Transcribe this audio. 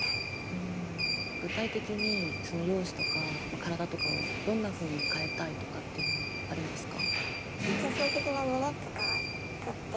うん具体的にその容姿とか体とかをどんなふうに変えたいとかっていうのはあるんですか？